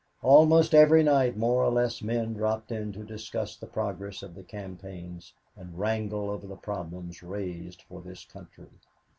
Almost every night more or less men dropped in to discuss the progress of the campaigns and wrangle over the problems raised for this country.